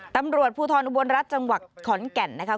ตำรวจภูทรอุบลรัฐจังหวัดขอนแก่นนะคะ